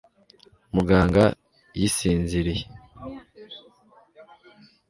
muganga yisinziriye